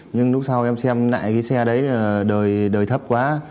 nhưng lúc sau em xem lại cái xe đấy là đời đời thấp quá